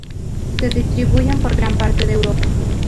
Se distribuyen por gran parte de Europa.